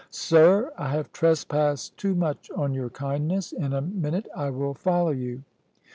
Sir, I have trespassed too much on your kindness; in a minute I will follow you."